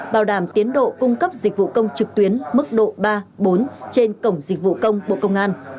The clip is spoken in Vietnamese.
bảo đảm tiến độ cung cấp dịch vụ công trực tuyến mức độ ba bốn trên cổng dịch vụ công bộ công an